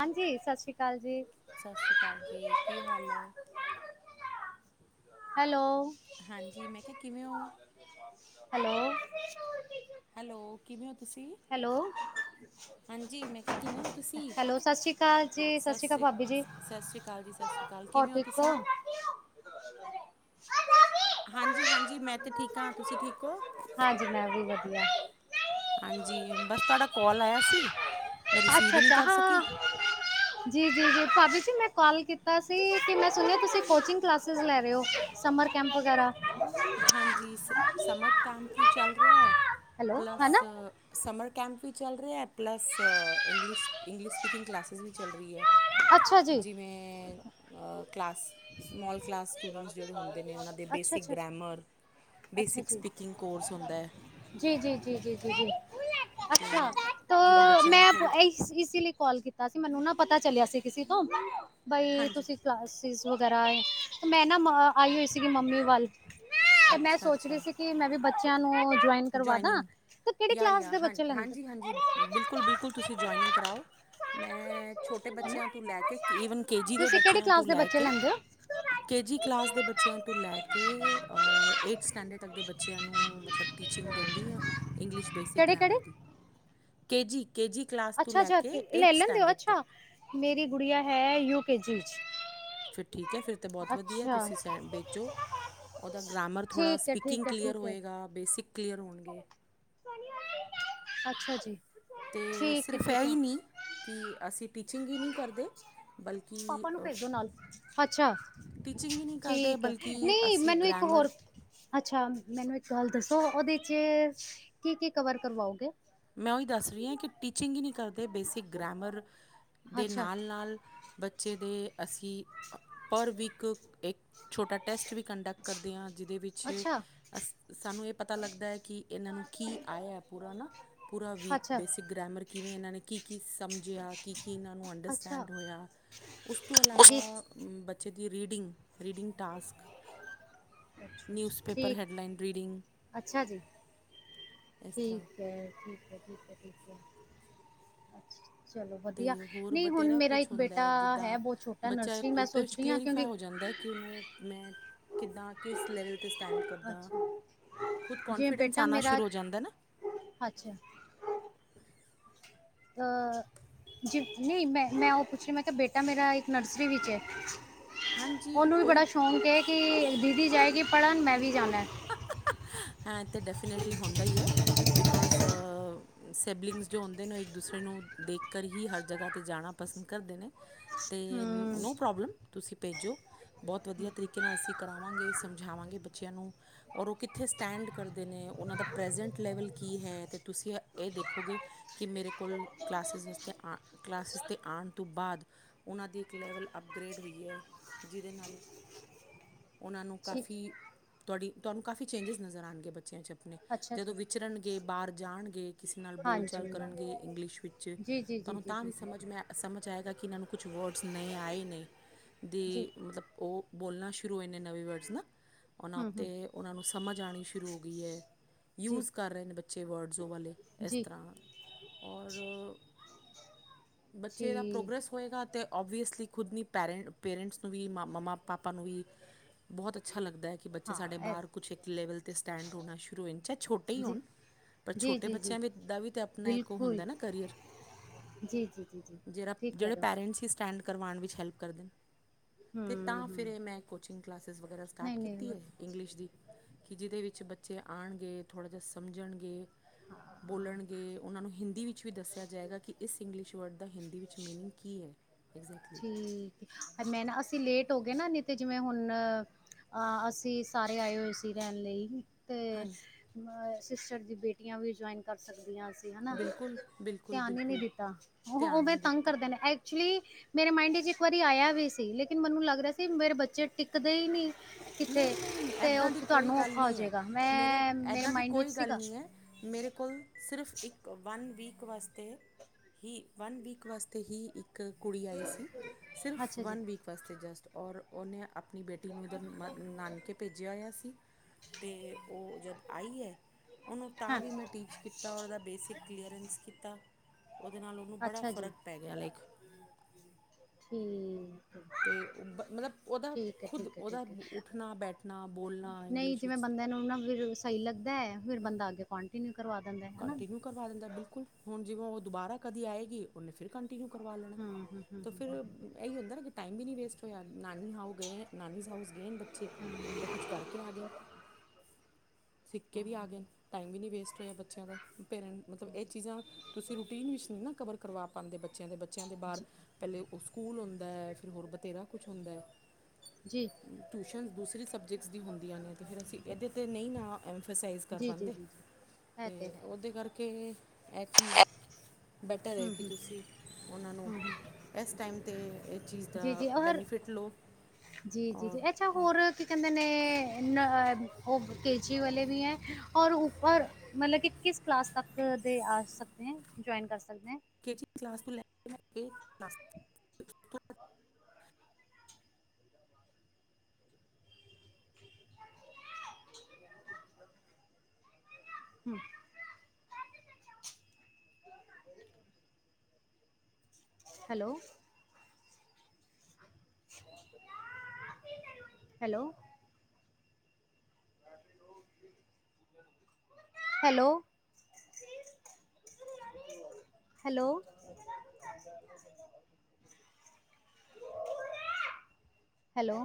ਹਾਂਜੀ ਸਤਿ ਸ੍ਰੀ ਅਕਾਲ ਜੀ। ਸਤਿ ਸ਼੍ਰੀ ਅਕਾਲ ਜੀ ਕੀ ਹਾਲ ਹੈ ਹੈਲੋ। ਹਾਂਜੀ ਮੈਂ ਕਿਹਾ ਕਿਵੇਂ ਹੋ। ਹੈਲੋ। ਹੈਲੋ ਕਿਵੇਂ ਹੋ ਤੁਸੀਂ ਹੈਲੋ, ਹਾਂਜੀ ਮੈਂ ਕਿਹਾ ਕਿਵੇਂ ਹੋ। ਤੁਸੀਂ ਹੈਲੋ ਸਤਿ ਸ਼੍ਰੀ ਅਕਾਲ ਜੀ, ਸਤਿ ਅਕਾਲ ਸ਼੍ਰੀ ਭਾਬੀ ਜੀ, ਸਤਿ ਸ਼੍ਰੀ ਅਕਾਲ ਜੀ, ਸਤਿ ਸ਼੍ਰੀ ਅਕਾਲ ਹੋਰ ਕਿਵੇਂ ਹੋ ਠੀਕ ਤੁਸੀਂ। ਹਾਂਜੀ ਹਾਂਜੀ ਮੈਂ ਤਾਂ ਠੀਕ ਹਾਂ ਤੁਸੀਂ ਠੀਕ ਹੋ। ਹਾਂਜੀ ਮੈਂ ਵੀ ਵਧੀਆ। ਹਾਂਜੀ ਬਸ ਤੁਹਾਡਾ ਕੋਾਲ ਆਇਆ ਸੀ ਮੈਂ ਰਿਸੀਵ ਹੀ ਨਹੀਂ ਅੱਛਾ-ਅੱਛਾ ਕਰ ਸਕੀ। ਹਾਂ ਜੀ ਜੀ ਜੀ ਭਾਬੀ ਜੀ ਮੈਂ ਕਾਲ ਕੀਤਾ ਸੀ, ਕਿ ਮੈਂ ਸੁਣਿਆ ਤੁਸੀ ਕੋਚਿੰਗ ਕਲਾਸੀਜ਼ ਲੈ ਰਹੇ ਹੋ। ਸਮਰ ਕੈਂਪ ਵਗੈਰਾ। ਹਾਂਜੀ ਸ ਸਮਰ ਕੈਂਪ ਵੀ ਚੱਲ ਰਿਹਾ ਹੈ ਹੈਲੋ ਪਲੱਸ। ਹੈਨਾ ਸਮਰ ਕੈਂਪ ਵੀ ਚੱਲ ਰਿਹਾ plus English English speaking classes ਵੀ ਚੱਲ ਰਹੀ ਹੈ। ਅੱਛਾ ਜੀ ਜਿਵੇਂ ਕਲਾਸ। ਸਮਾਲ ਕਲਾਸ ਸਟੂਡੈਂਟਸ ਜਿਹੜੇ ਹੁੰਦੇ ਨੇ, ਉਹਨਾਂ ਦੇ ਅੱਛਾ ਬੇਸਿਕ ਅੱਛਾ ਅੱਛਾ ਗ੍ਰੈਮਰ। ਅੱਛਾ ਬੇਸਿਕ ਸਪੀਕਿੰਗ ਕੋਰਸ ਹੁੰਦਾ ਹੈ। ਜੀ, ਜੀ, ਜੀ, ਜੀ, ਜੀ, ਜੀ ਅਤੇ ਅੱਛਾ ਜਿਵੇਂ ਬੱਚਿਆਂ ਨੂੰ ਮੈਂ। ਥੋੜ੍ਹੀ ਇਸ ਲਈ ਕਾਲ ਕੀਤਾ ਸੀ, ਮੈਨੂੰ ਨਾ ਪਤਾ ਚਲਿਆ ਸੀ ਕਿਸੇ ਤੋਂ ਬਈ ਹਾਂਜੀ ਤੁਸੀਂ। ਕਲਾਸਜ਼ ਵਗੈਰਾ ਹੈ, ਮੈਂ ਨਾ ਮ ਆਈ ਹ ਇਸ ਸੀ ਕਿ ਮੰਮੀ ਵਾਲ। ਤੇ ਮੈਂ ਅੱਛਾ ਸੋਚ ਰਹੀ ਅੱਛਾ ਸੀ ਕਿ ਮੈਂ ਵੀ ਬੱਚਿਆਂ ਨੂੰ ਜੁਆਇਨ। ਕਰਵਾਦਾ ਜੁਆਇਨਿੰਗ ਤੇ ਕਿਹੜੇ ਯਾ ਕਲਾਸ ਯਾ ਦੇ ਹਾਂ ਬੱਚੇ ਲੈਂਦੇ। ਹਾਂਜੀ ਹਾਂਜੀ ਹੈਨਾ? ਬਿਲਕੁਲ ਬਿਲਕੁਲ ਤੁਸੀਂ ਜੁਇਨਿੰਗ ਕਰਵਾਓ ਮੈਂ। ਛੋਟੇ ਬੱਚਿਆਂ ਤੋਂ ਲੈ ਕੇ ਈਵਨ ਕੇ ਜੀ ਦੇ ਤੁਸੀਂ ਕਿਹੜੀ ਬੱਚਿਆਂ ਕਲਾਸ ਤੋਂ ਦੇ ਲੈ ਬੱਚੇ ਕੇ। ਲੈਂਦੇ ਹੋ ਕੇ ਜੀ ਕਲਾਸ ਦੇ ਬੱਚਿਆਂ ਤੋਂ ਲੈ ਕੇ ਏਥ ਸਟੈਂਡਰਡ ਤੱਕ ਦੇ ਬੱਚਿਆਂ ਨੂੰ ਮਤਲਬ। ਟੀਚਿੰਗ ਦਿੰਦੀ ਆ, ਇੰਗਲਿਸ਼ ਬੇਸਿਕ ਕਿਹੜੇ ਕਿਹੜੇ ਗ੍ਰਾਮਰ ਦੀ K G. K G class ਤੋਂ ਅੱਛਾ ਲੈ ਅੱਛਾ ਕੇ ਲੈ ਏਟਥ ਲੈਂਦੇ ਹੋ ਸਟੈਂਡਰਡ ਤੱਕ। ਅੱਛਾ ਮੇਰੀ ਗੁੜੀਆ ਹੈ, ਯੂਕੇ ਜੀ 'ਚ। ਫਿਰ ਠੀਕ ਹੈ ਫਿਰ, ਤਾਂ ਬਹੁਤ ਵਧੀਆ ਅੱਛਾ ਤੁਸੀਂ ਸ ਅੱਛਾ ਭੇਜੋ। ਉਹਦਾ ਗ੍ਰਮਰ ਥੋੜ੍ਹਾ ਠੀਕ ਹੈ ਸਪੀਕਿੰਗ ਠੀਕ ਹੈ ਕਲੀਅਰ ਠੀਕ ਹੈ ਹੋਏਗਾ ਬੇਸਿਕ ਕਲੀਅਰ ਹੋਣਗੇ। ਅੱਛਾ ਜੀ ਤੇ ਠੀਕ ਹੈ ਸਿਰਫ ਏ ਠੀਕ ਹੈ ਈ ਨੀਂ ਕਿ ਅਸੀਂ ਟੀਚਿੰਗ ਈ ਨੀਂ ਕਰਦੇ ਬਲਕਿ ਪਾਪਾ ਨੂੰ ਭੇਜੋ ਨਾਲ ਅੱਛਾ ਟੀਚਿੰਗ ਹੀ ਨਹੀਂ ਕਰਦੇ ਠੀਕ ਹੈ ਬਲਕਿ ਨੀਂ ਅਸੀਂ ਮੈਨੂੰ ਇੱਕ ਗ੍ਰਾਮਰ ਹੋਰ ਅੱਛਾ ਮੈਨੂੰ ਇੱਕ ਗੱਲ ਦੱਸੋ ਉਹਦੇ 'ਚ ਕੀ ਕੀ ਕਵਰ ਕਰਵਾਓਗੇ ਮੈਂ ਓਈ ਦੱਸ ਰੀ ਆਂ ਕਿ ਟੀਚਿੰਗ ਈ ਨੀ਼ ਕਰਦੇ ਪੇ ਸੀ ਗਰੇਮਰ ਦੇ ਅੱਛਾ ਨਾਲ ਨਾਲ ਬੱਚੇ ਦੇ ਅਸੀਂ ਪਰ ਵੀਕ ਇੱਕ ਛੋਟਾ ਟੈਸਟ ਵੀ ਕੰਟਾ ਕ ਕਰਦੇ ਆ ਜਿਹਦੇ ਵਿੱਚ ਅੱਛਾ ਅਸ ਸਾਨੂੰ ਏ ਪਤਾ ਲੱਗਦਾ ਹੈ ਕਿ ਏਨਾਂ ਨੂੰ ਕੀ ਆਇਆ ਪੂਰਾ ਨਾ ਪੂਰਾ ਵੀਕ ਅੱਛਾ ਬੇਸਿਕ ਗ੍ਰੇਮਰ ਕਿਵੇਂ ਏਨਾਂ ਨੇ ਕੀ ਕੀ ਸਮਝਿਆ ਕੀ ਕੀ ਇਨਾਂ ਨੂੰ ਅੱਛਾ ਅੰਡਰਸਟੈਂਡ ਹੋਇਆ ਉਸ ਤੋਂ ਇਲਾਵਾ ਜੀ ਬੱਚੇ ਦੀ ਰੀਡਿੰਗ ਰੀਡਿੰਗ ਟਾਸਕ। ਨਿਊਜ਼ਪੇਪਰ ਠੀਕ ਹੈਡਲਾਈਨ ਰੀਡਿੰਗ ਅੱਛਾ ਜੀ ਇਸ ਤਰ੍ਹਾਂ। ਠੀਕ ਹੈ। ਅੱਛਾ ਚਲੋ ਤੇ ਵਧੀਆ ਹੋਰ ਨਹੀਂ ਹੁਣ ਬਥੇਰਾ ਮੇਰਾ ਕੁਛ ਇੱਕ ਹੁੰਦਾ ਬੇਟਾ ਹੈ ਜਿੱਦਾਂ ਬਹੁਤ ਛੋਟਾ ਬੱਚਾ ਨਰਸਰੀ ਮੈਂ ਉਤੇ। ਸੋਚ ਰਹੀ ਹਾਂ ਕਲੇਰੀਫਾਈ ਕਿਉਂਕਿ ਹੋ ਜਾਂਦਾ ਕਿ ਉਹਨੂੰ ਮੈਂ ਕਿੱਦਾਂ। ਕਿਸ ਲੈਵਲ 'ਤੇ ਸਟੈਂਡ ਕਰਦਾ ਅੱਛਾ ਖੁਦ ਜਿਵੇਂ ਕੋਂਨਫੀਡੈਂਸ ਬੇਟਾ ਆਉਣਾ ਮੇਰਾ ਸ਼ੁਰੂ ਹੋ ਜਾਂਦਾ ਨਾ। ਅੱਛਾ। ਜੀ ਨਹੀਂ ਮੈਂ ਮੈਂ ਉਹ ਪੁੱਛਣੀ, ਮੈਂ ਕਿਹਾ ਬੇਟਾ ਮੇਰਾ ਇੱਕ ਨਰਸਰੀ ਵਿੱਚ ਹੈ। ਹਾਂਜੀ ਉਹਨੂੰ ਵੀ ਕੋਈ ਬੜਾ ਸ਼ੌਂਕ ਹੈ ਕਿ ਦੀਦੀ ਜਾਏਗੀ, ਪੜ੍ਹਨ ਮੈਂ ਵੀ ਜਾਣਾ। ਹੈਂ ਤੇ ਡੈਫੀਨੇਟਲੀ ਹੁੰਦਾ ਹੀ ਹੈ। ਬਿਕੋਜ਼ ਸਿਬਲਿੰਗਸ ਜੋ ਹੁੰਦੇ ਨੇ, ਉਹ ਇੱਕ ਦੂਸਰੇ ਨੂੰ ਦੇਖ ਕਰ ਹੀ ਹਰ ਜਗ੍ਹਾ 'ਤੇ ਜਾਣਾ। ਪਸੰਦ ਕਰਦੇ ਨੇ ਅਤੇ ਹੂੰ ਨੋ ਪ੍ਰੋਬਲਮ ਤੁਸੀਂ ਭੇਜੋ। ਬੋਤ ਵਧੀਆ ਤਰੀਕੇ ਨਾਲ ਅਸੀਂ ਕਰਾਵਾਂਗੇ ਸਮਝਾਵਾਂਗੇ ਬੱਚਿਆਂ ਨੂੰ ਔਰ ਉ ਕਿੱਥੇ ਸਟੈਂਡ ਕਰਦੇ ਨੇ ਉਨਾਂ ਦਾ ਪ੍ਰੈਜੈਂਟ ਲੈਵਲ ਕੀ ਹੈ ਤੇ ਤੁਸੀਂ ਇਹ ਦੇਖੋਗੇ ਕਿ ਮੇਰੇ ਕੋਲ ਕਲਾਸਿਸ ਅਸਤੇ ਆ ਕਲਾਸਿਸ 'ਤੇ ਆਣ ਤੋਂ ਬਾਦ ਓਨਾਂ ਦੀ ਇੱਕ ਲੈਵਲ ਅਪਗ੍ਰੇਡ ਹੋਈ ਏ ਜਿਹਦੇ ਨਾਲ ਓਨਾਂ ਨੂੰ ਠੀਕ ਕਾਫੀ ਤੁਆਡੀ ਤੁਹਾਨੂੰ ਕਾਫ਼ੀ ਚੇਂਜਿਸ ਨਜ਼ਰ ਆਣਗੇ ਬੱਚਿਆਂ ਚ ਆਪਣੇ ਅੱਛਾ ਜੀ ਜਦੋਂ ਵਿਚਰਨਗੇ ਬਾਰ ਜਾਣਗੇ ਕਿਸੇ ਨਾਲ ਬੋਲਚਾਲ ਹਾਂਜੀ ਕਰਨਗੇ ਇੰਗਲਿਸ਼ ਵਿੱਚ ਜੀ ਜੀ ਜੀ ਤੁਾਨੂੰ ਜੀ ਜੀ ਤਾਂ ਜੀ ਵੀ ਸਮਝ ਮੈਂ ਸਮਝ ਆਏਗਾ ਕਿ ਏਨਾਂ ਨੂੰ ਕੁਛ ਵਰਡਸ ਨਏ ਆਏ ਨੇ ਦੇ ਜੀ ਮਤਲਬ ਉ ਬੋਲਣਾ ਸ਼ੁਰੂ ਇਨੇ ਨਵੇਂ ਵਰਡਸ ਨਾ ਓਨਾਂ ਹੂੰ ਹੂੰ ਉੱਤੇ ਓਨਾਂ ਨੂੰ ਸਮਝ ਆਉਣੀ ਸ਼ੁਰੂ ਹੋ ਗਈ ਏ ਜੀ ਯੂਜ਼ ਕਰ ਰਹੇ ਨੇ ਬੱਚੇ ਵਰਡਜ਼ ਉਹ ਵਾਲੇ ਇਸ ਜੀ ਤਰ੍ਹਾਂ ਔਰ ਬੱਚੇ ਦਾ ਜੀ ਪ੍ਰੋਗਰੈਸ ਹੋਏਗਾ ਤੇ, ਓਬ ਵੀ ਅਸਲੀ ਖੁਦ ਨੀ ਪੈਰੈਂ ਪੇਰੈਂਟਸ ਨੂੰ ਵੀ ਮ ਮੰਮਾ ਪਾਪਾ ਨੂੰ ਵੀ ਬੋਤ ਅੱਛਾ ਲੱਗਦਾ ਏ, ਕਿ ਬੱਚੇ ਹਾਂ ਸਾਡੇ ਐ- ਬਾਰ ਕੁਛ ਇੱਕ ਲੈਵਲ, 'ਤੇ ਸਟੈਂਡ ਹੋਣਾ ਸ਼ੁਰੂ ਹੋ ਜਾ ਚਾਹੇ ਛੋਟੇ ਜੀ ਹੋਣ ਪਰ, ਜੀ ਛੋਟੇ ਜੀ ਜੀ ਬੱਚਿਆਂ ਦਾ ਵੀ, ਆਪਣਾ ਇੱਕ ਬਿਲਕੁਲ ਹੁੰਦਾ ਨਾ ਕਰੀਅਰ ਜੀ, ਜੀ, ਜੀ, ਜੀ ਠੀਕ ਜਿਹੜਾ- ਕਹਿ ਜਿਹੜੇ ਰਹੇ ਪੇਰੈਂਟਸ ਸਟੈਂਡ ਕਰਵਾਉਣ ਵਿੱਚ ਹੈਲਪ ਕਰਦੇ ਨੇ, ਹੋ ਅਤੇ ਹੂੰ ਤਾਂ ਹੂੰ ਫੇਰ ਇਹ ਮੈਂ ਕੋਚਿੰਗ ਕਲਾਸਿਸ ਵਗੈਰਾ ਨਹੀਂ ਸਟਾਰਟ ਕੀਤੀ ਨਹੀਂ ਹੈ ਇੰਗਲਿਸ਼ ਦੀ ਕਿ, ਜਿਦੇ ਵਿੱਚ ਬੱਚੇ ਆਣਗੇ ਥੋੜ੍ਹਾ ਜਿਆ ਸਮਝਣਗੇ ਬੋਲਣਗੇ, ਓਨਾਂ ਨੂੰ ਹਿੰਦੀ ਵਿੱਚ ਵੀ ਦੱਸਿਆ ਜਾਏਗਾ ਕਿ, ਇਸ ਇੰਗਲਿਸ਼ ਵਰਡ ਦਾ ਹਿੰਦੀ ਵਿੱਚ ਮੀਨਿੰਗ ਕੀ ਏ। ਠੀਕ, ਮੈਂ ਨਾ ਅਸੀਂ ਲੇਟ ਹੋ ਗਏ ਨਾ ਨੀ ਤੇ ਜਿਵੇਂ, ਹੁਣ ਹਾ ਅਸੀਂ, ਸਾਰੇ ਆਏ ਹੋਏ ਸੀ ਰਹਿਣ ਲਈ ਤੇ ਹਾਂ ਸਿਸਟਰ ਦੀਆਂ ਬੇਟੀਆਂ ਵੀ ਜੁਆਇਨ ਕਰ ਸਕਦੀ ਆ ਅਸੀਂ, ਹਨਾ ਬਿਲਕੁਲ ਤੇ ਬਿਲਕੁਲ ਧਿਆਨ ਈ ਨਈ ਬਿਲਕੁਲ ਦਿੱਤਾ ਉਹ ਧਿਆਨ ਉਹਵੇ ਨਹੀਂ ਤੰਗ ਦਿੱਤਾ ਕਰਦੇ ਨੇ ਇ ਐਕਚੁਲੀ, ਮੇਰੇ ਮਾਇਂਡ ਵਿੱਚ ਇੱਕ ਵਾਰੀ ਆਇਆ ਵੀ ਸੀ, ਲੇਕਿਨ ਮੈਨੂੰ ਲੱਗਦਾ ਸੀ ਮੇਰੇ ਬੱਚੇ ਟਿਕਦੇ ਈ ਨੀ ਕਿਥੇ ਨਹੀਂ ਨਹੀਂ ਤੇ, ਐਦਾਂ ਦੀ ਕੋਈ ਤੁਆਨੂੰ ਗੱਲ ਔਖਾ ਹੋ ਨਹੀਂ ਹੈ ਜਾਏਗਾ, ਮੈਂ ਮੇਰੇ ਐਦਾਂ ਦੀ ਮਾਈੰਡ ਵਿੱਚ ਕੋਈ ਗੱਲ ਸੀਗਾ ਨਹੀਂ ਹੈ ਮੇਰੇ ਕੋਲ ਸਿਰਫ, ਇੱਕ ਵਨ ਵੀੱਕ ਵਾਸਤੇ ਹੀ ਵਨ ਵੀਕ ਵਾਸਤੇ ਹੀ, ਇੱਕ ਕੁੜੀ ਆਈ ਸੀ ਸਿਰਫ ਅੱਛਾ ਜੀ ਵਨ ਵੀਕ ਵਾਸਤੇ ਜਸਟ ਔਰ, ਓਨੇ ਆਪਣੀ ਬੇਟੀ ਨੂੰ ਉਧਰ ਮਧ ਨਾਨਕੇ, ਭੈਜਿਆ ਹੋਇਆ ਸੀ, ਤੇ ਓ ਜਦ ਆਈ ਹੈ ਉਹਨੂੰ ਤਾਂ ਹਾਂ ਵੀ ਮੈਂ ਟੀਚ ਕੀਤਾ, ਔਰ ਉਹਦਾ ਬੇਸਿਕ ਕਲੀਅਰੈਂਸ ਕੀਤਾ। ਉਹਦੇ ਨਾਲ ਉਹਨੂੰ ਬੜਾ ਫਰਕ ਪੈ ਗਿਆ ਲਾਈਕ ਠੀ ਤੇ ਉਹ ਮਤਲਬ, ਉਹਦਾ ਖੁਦ ਠੀਕ ਹੈ ਉਹਦਾ ਠੀਕ ਹੈ ਉੱਠਣਾ, ਬੈਠਣਾ, ਬੋਲਣਾ ਨਹੀਂ ਇੰਗਲਿਸ਼ ਜਿਵੇਂ ਵਿੱਚ ਬੰਦਿਆਂ ਨੂੰ ਨਾ, ਫਿਰ ਸਈ ਲੱਗਦਾ ਐ, ਫਿਰ ਬੰਦਾ ਅੱਗੇ ਕੋਂਟੀਨਿਊ ਕਰਵਾ। ਦਿੰਦਾ ਹੈ ਹਨਾ। ਕੰਟੀਨਿਊ ਕਰਵਾ ਦਿੰਦਾ, ਬਿਲਕੁਲ, ਹੁਣ ਜਿਵੇਂ ਉਹ ਦੁਬਾਰਾ ਕਦੀ ਆਏਗੀ ਉਹਨੇ ਫਿਰ, ਕੰਟੀਨਿਊ ਕਰਵਾ ਲੈਣਾ, ਹੂੰ ਹੂੰ ਹੂੰ ਤੇ ਹੂੰ ਫਿਰ ਹੂੰ, ਇਹੀ ਹੁੰਦਾ ਨਾ ਕਿ ਟਾਈਮ ਵੀ ਨੀ ਵੇਸਟ ਹੋਇਆ ਨਾਨੀ ਹਾਊਸ, ਗਏ ਨੇ ਬੱਚੇ ਤੇ ਕੁਛ ਕਰਕੇ ਆ ਗਏ। ਸਿੱਖ ਕੇ ਵੀ ਆ ਗਏ, ਟਾਈਮ ਵੀ ਨੀ ਵੇਸਟ ਹੋਇਆ ਬੱ ਬੱਚਿਆਂ ਦਾ ਪੇਰੈਂਟ, ਮਤਲਬ ਇਹ ਚੀਜ਼ਾਂ ਤੁਸੀਂ ਰੂਟੀਨ ਵਿੱਚ ਨੀ ਨਾ, ਕਵਰ ਕਰਵਾ ਪਾਦੇ ਬੱਚਿਆਂ ਦੇ ਬੱਚ ਬੱਚਿਆਂ ਦੇ ਬਾਰ, ਜੀ ਪਿਹਲੇ ਉਹ ਸਕੂਲ ਹੁੰਦਾ, ਫਿਰ ਹੋਰ ਬਥੇਰਾ ਕੁਛ ਹੁੰਦਾ ਜੀ ਟਿਊਸ਼ਨ ਦੂਸਰੀ, ਸਬਜੈਕਟਸ ਦੀ ਹੁੰਦੀਆਂ ਨੇ, ਅਤੇ ਫਿਰ ਅਸੀਂ ਇਹਦੇ 'ਤੇ ਨਈ ਨਾ ਐਂਸਸਾਈਜ਼ ਕਰ ਜੀ ਜੀ ਜੀ ਪਾਂਦੇ ਜੀ ਇਹ ਤੇ ਹੈ ਉਹਦੇ ਕਰਕੇ ਏ ਚੀਜ਼ ਬੈਟਰ ਐ ਹੂੰ ਕਿ ਹੂੰ ਤੁਸੀਂ ਓਨਾਂ ਨੂੰ ਹੂੰ ਹੂੰ ਐਸ ਟਾਈਮ, 'ਤੇ ਇਸ ਚੀਜ਼ ਦਾ ਜੀ ਜੀ ਔਰ ਬੈਨੀਫਿਟ ਲੋ ਜੀ, ਜੀ -ਜੀ ਅੱਛਾ, ਹੋਰ ਕੀ ਕਹਿੰਦੇ ਨੇ, ਉਹ ਕੇ ਜੀ ਵਾਲੇ ਵੀ ਹੈ ਔਰ ਉ ਔਰ ਮਤਲਬ, ਕਿਸ ਕਲਾਸ ਤਕ ਦੇ ਆ ਸਕਦੇ ਹ, ਜੋਆਇਨ ਕਰ ਸਕਦੇ ਕੇ ਜੀ ਕਲਾਸ ਤੋਂ ਲੈ ਕੇ ਲੈ ਕੇ ਦਸ ਤੱਕ। ਹਮ [unintelligible] [inaudible] hello hello hello? Hello hello,